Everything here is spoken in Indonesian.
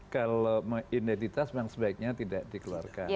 kalau identitas memang sebaiknya tidak dikeluarkan